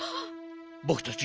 ぼくたち